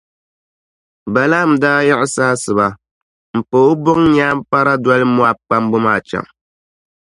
Balaam daa yiɣisi asiba m-pa o buŋ’ nyaampara doli Mɔab kpamba maa chaŋ.